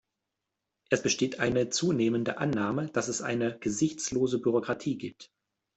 Es besteht eine zunehmende Annahme, dass es eine gesichtslose Bürokratie gibt.